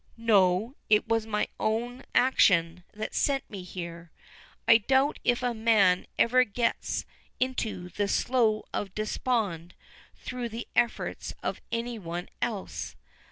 "No, it was my own action that sent me there. I doubt if a man ever gets into the Slough of Despond through the efforts of any one else.